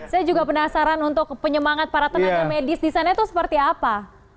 saya juga penasaran untuk penyemangat para tenaga medis di sana itu seperti apa